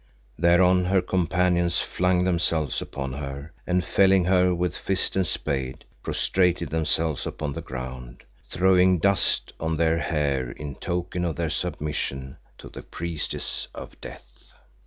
Thereon her companions flung themselves upon her and felling her with fist and spade, prostrated themselves upon the ground, throwing dust on their hair in token of their submission to the priestess of Death.